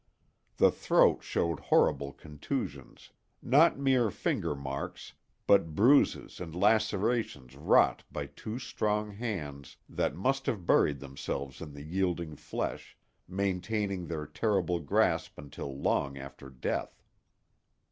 The throat showed horrible contusions; not mere finger marks, but bruises and lacerations wrought by two strong hands that must have buried themselves in the yielding flesh, maintaining their terrible grasp until long after death.